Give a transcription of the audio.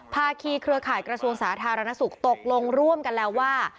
ภาคีเครือข่ายกระทรวงสาธารณสุขตกลงร่วมกันแล้วว่า